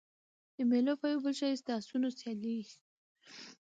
د مېلو یو بل ښایست د آسو سیالي يي.